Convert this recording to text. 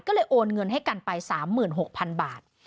ก็เลยโอนเงินให้กันไป๓๖๐๐๐บาท